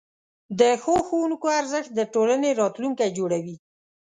د ښو ښوونکو ارزښت د ټولنې راتلونکی جوړوي.